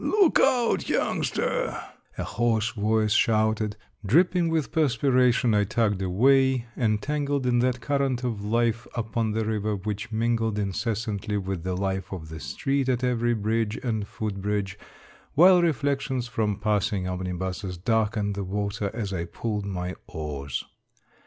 Look out, youngster," a hoarse voice shouted ; dripping with perspiration I tugged away, entangled in that current of life upon the river which mingled incessantly with the life of the street at every bridge and foot bridge, while reflections from passing omnibuses darkened the water as I pulled my oars.